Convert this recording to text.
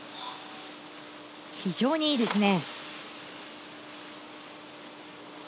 非常にいいですね。